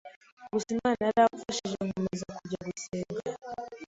gusa Imana yaramfashije nkomeza kujya gusenga